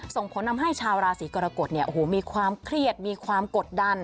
ส่งผลทำให้ชาวราศีกรกฎเนี่ยโอ้โหมีความเครียดมีความกดดัน